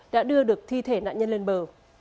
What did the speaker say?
đã đưa được thi thể nạn nhân lên bờ